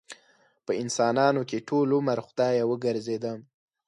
په انسانانو کې ټول عمر خدايه وګرځېدم